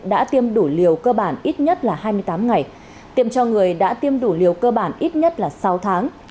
đã tiêm đủ liều cơ bản ít nhất là hai mươi tám ngày tiêm cho người đã tiêm đủ liều cơ bản ít nhất là sáu tháng